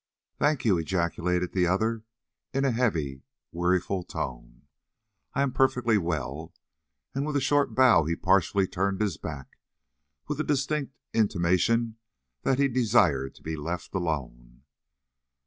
"Thank you," ejaculated the other, in a heavy weariful tone. "I am perfectly well." And with a short bow he partially turned his back, with a distinct intimation that he desired to be left alone.